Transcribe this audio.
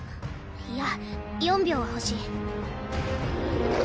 いや４秒は欲しい。